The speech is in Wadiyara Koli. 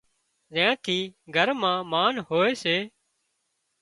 زين ٿي گھر مان مانَ هوئي سي